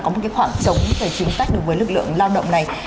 có một khoảng trống về chính sách đối với lực lượng lao động này